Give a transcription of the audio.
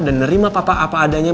dan nerima papa apa adanya